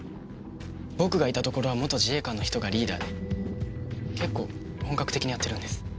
僕がいたところは元自衛官の人がリーダーで結構本格的にやってるんです。